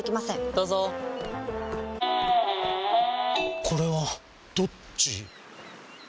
どうぞこれはどっち？